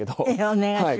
お願いします。